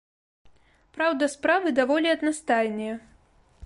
Праўда, справы даволі аднастайныя.